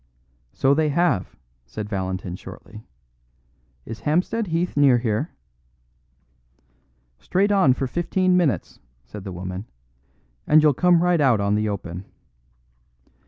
"So they have," said Valentin shortly. "Is Hampstead Heath near here?" "Straight on for fifteen minutes," said the woman, "and you'll come right out on the open."